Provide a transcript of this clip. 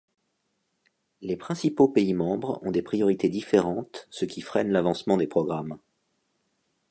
Les principaux pays membres ont des priorités différentes ce qui freine l'avancement des programmes.